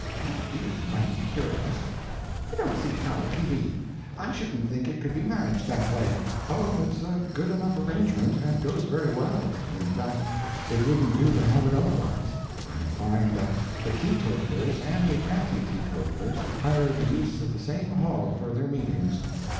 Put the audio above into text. "That is mighty curious; I don't see how it can be. I shouldn't think it could be managed that way." "Oh, it's a good enough arrangement, and goes very well; in fact, it wouldn't do to have it otherwise. I find that the teetotalers and the anti teetotalers hire the use of the same hall for their meetings.